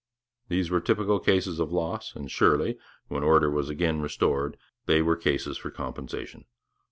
These were typical cases of loss, and surely, when order was again restored, they were cases for compensation.